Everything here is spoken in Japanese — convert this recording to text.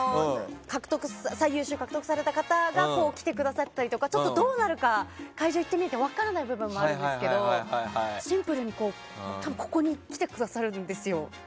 最優秀賞を獲得した方が来てくださったりとかどうなるか会場に行ってみないと分からない部分もあるんですけどシンプルに隣に来てくださるんですよ。